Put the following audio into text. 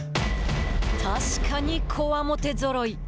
確かに、こわもてぞろい。